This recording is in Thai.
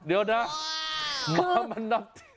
เดี๋ยวนะมามันนับถือ